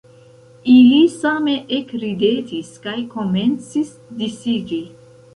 Ili same ekridetis kaj komencis disiĝi.